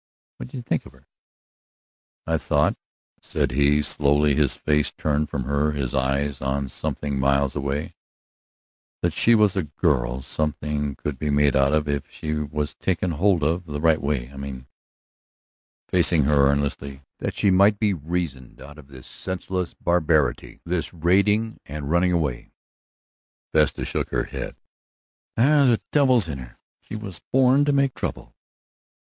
"What did you think of her?" "I thought," said he, slowly, his face turned from her, his eyes on something miles away, "that she was a girl something could be made out of if she was taken hold of the right way. I mean," facing her earnestly, "that she might be reasoned out of this senseless barbarity, this raiding and running away." Vesta shook her head. "The devil's in her; she was born to make trouble."